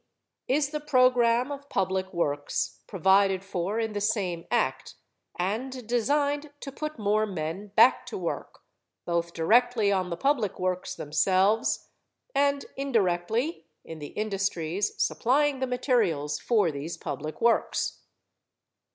is the program of Public Works provided for in the same Act and designed to put more men back to work, both directly on the public works themselves, and indirectly in the industries supplying the materials for these public works.